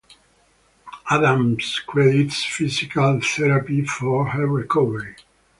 Adams credits physical therapy for her recovery.